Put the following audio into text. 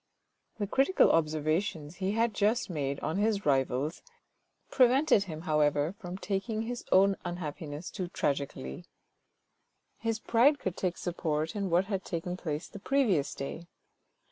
The critical observations he had just made on his rivals 374 THE RED AND THE BLACK prevented him, however, from taking his own unhappiness too tragically. His pride could take support in what had taken place the previous day.